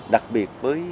đặc biệt với